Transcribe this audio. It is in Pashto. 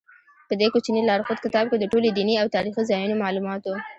په دې کوچني لارښود کتاب کې د ټولو دیني او تاریخي ځایونو معلومات و.